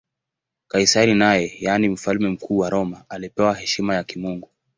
Kaisari naye, yaani Mfalme Mkuu wa Roma, alipewa heshima ya kimungu.